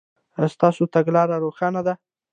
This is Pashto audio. ایا ستاسو تګلاره روښانه ده؟